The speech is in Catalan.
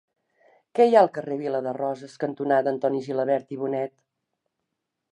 Què hi ha al carrer Vila de Roses cantonada Antoni Gilabert i Bonet?